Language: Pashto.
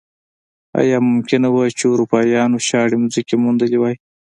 ایا ممکنه وه چې اروپایانو شاړې ځمکې موندلی وای.